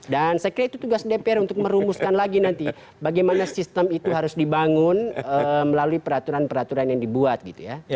dan saya kira itu tugas dpr untuk merumuskan lagi nanti bagaimana sistem itu harus dibangun melalui peraturan peraturan yang dibuat gitu ya